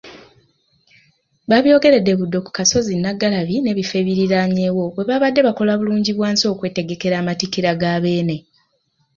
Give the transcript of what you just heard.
Babyogeredde Buddo ku kasozi Naggalabi n'ebifo ebiriraanyeewo bwe babadde bakola Bulungibwansi okwetegekera amatikkira ga Beene.